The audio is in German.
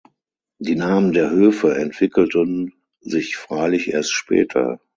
Die Namen der Höfe entwickelten sich freilich erst später.